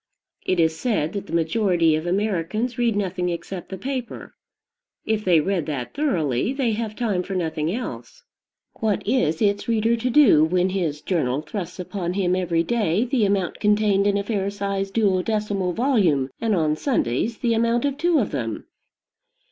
It is said that the majority of Americans read nothing except the paper. If they read that thoroughly, they have time for nothing else. What is its reader to do when his journal thrusts upon him every day the amount contained in a fair sized duodecimo volume, and on Sundays the amount of two of them?